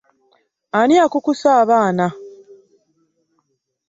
Ani akukusa abaana?